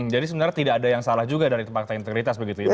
jadi sebenarnya tidak ada yang salah juga dari fakta integritas begitu ya